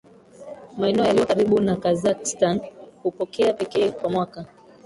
Maeneo yaliyo karibu na Kazakhstan hupokea pekee kwa mwaka